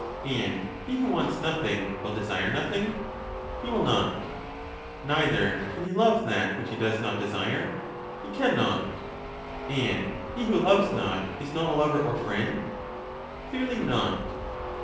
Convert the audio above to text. And he who wants nothing will desire nothing? He will not. Neither can he love that which he does not desire? He can not. 1 LYSIS 67 And he who loves not is not a lover or friend? Clearly not.